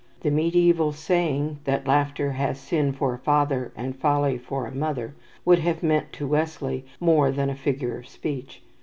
The mediaeval saying, that laughter has sin for a father and folly for a mother, would have meant to Wesley more than a figure of speech.